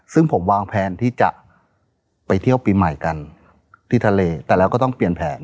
ซึ่งผมวางแผนที่จะไปเที่ยวปีใหม่กันที่ทะเลแต่แล้วก็ต้องเปลี่ยนแผน